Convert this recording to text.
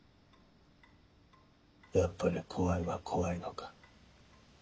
やっぱり怖いは怖いのか。